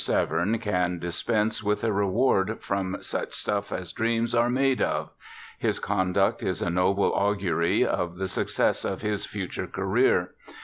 Severn can dispense with a reward from 'such stuff as dreams are made of.' His conduct is a noble augury of the success of his future career.